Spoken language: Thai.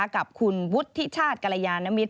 กับคุณวุฒิชาติกรยานมิตร